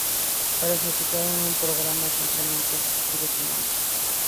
Para ejecutar un programa simplemente se escribe su nombre.